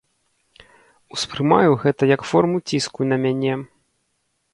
Успрымаю гэта як форму ціску на мяне.